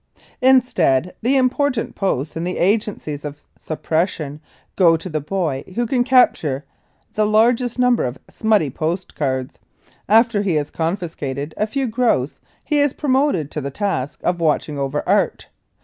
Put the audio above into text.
Instead the important posts in the agencies of suppression go to the boy who can capture the largest number of smutty post cards. After he has confiscated a few gross he is promoted to the task of watching over art.